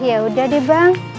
ya udah deh bang